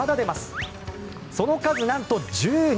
その数なんと１２個。